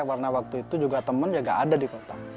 karena waktu itu juga temennya gak ada di kota